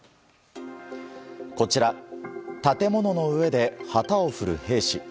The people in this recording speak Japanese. こちら建物の上で旗を振る兵士。